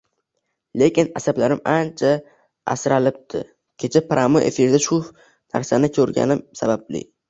Lekin asablarim ancha asralipti kecha "pryamoy efirda" shu farsni ko‘rmaganim sababli.